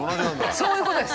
そういうことです。